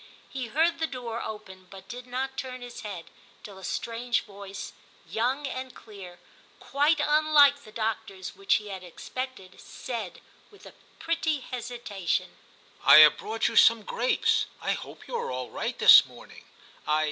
He heard the door open but did not turn his head, till a strange voice, young and clear, quite unlike the doctor's, which he had expected, said, with a pretty hesitation, ' I have brought you some n TIM 35 grapes ; I hope you are all right this morn ing ; I